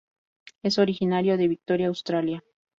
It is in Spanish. Es originaria de Victoria, Australia.